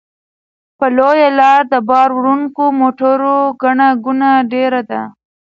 په لویه لاره د بار وړونکو موټرو ګڼه ګوڼه ډېره ده.